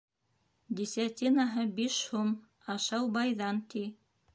Десятинаһы биш һум, ашау байҙан, ти.